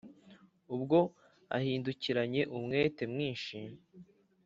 Ubwo ahindukiranye umwete mwinshi